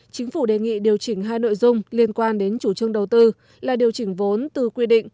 chính phủ đề nghị điều chỉnh hai nội dung liên quan đến chủ trương đầu tư là điều chỉnh vốn từ quy định